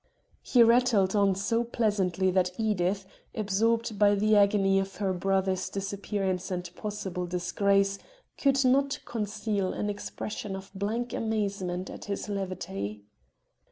He rattled on so pleasantly that Edith, absorbed by the agony of her brother's disappearance and possible disgrace, could not conceal an expression of blank amazement at his levity.